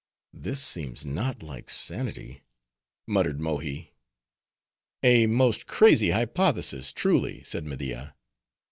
"This seems not like sanity," muttered Mohi. "A most crazy hypothesis, truly," said Media.